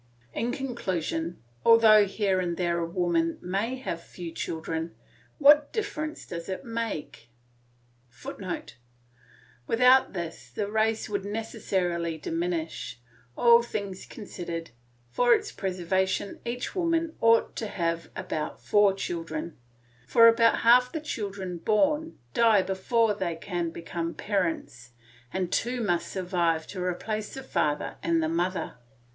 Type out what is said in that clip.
In conclusion, although here and there a woman may have few children, what difference does it make? [Footnote: Without this the race would necessarily diminish; all things considered, for its preservation each woman ought to have about four children, for about half the children born die before they can become parents, and two must survive to replace the father and mother.